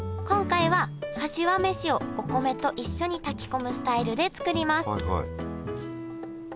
今回はかしわ飯をお米と一緒に炊き込むスタイルで作ります。